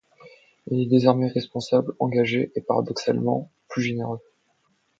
Il est désormais responsable, engagé, et paradoxalement, plus généreux.